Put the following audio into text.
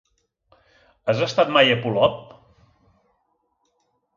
Has estat mai a Polop?